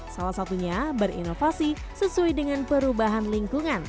salah satunya berinovasi sesuai dengan perubahan lingkungan